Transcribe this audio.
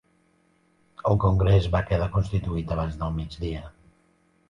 El congrés va quedar constituït abans del migdia